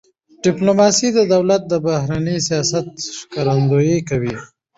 ډيپلوماسي د دولت د بهرني سیاست ښکارندویي کوي.